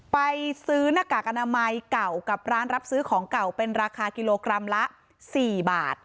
ไปซื้อหน้ากากอนามัยเก่ากับร้านรับซื้อของเก่าเป็นราคากิโลกรัมละ๔บาท